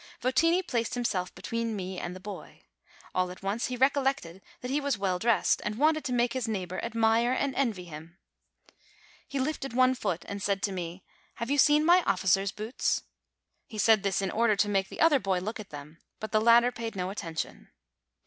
Votini placed himself between me and the boy. All at once he rec ollected that he was well dressed, and wanted to make his neighbor admire and envy him. He lifted one foot, and said to me, "Have you seen my officer's boots?" He said this in order to make the other boy look at them ; but the latter paid no attention.